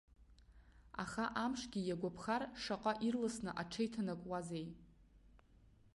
Аха амшгьы иагәаԥхар, шаҟа ирласны аҽеиҭанакуазеи!